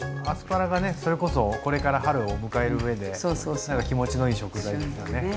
アスパラがねそれこそこれから春を迎える上で何か気持ちのいい食材ですよね。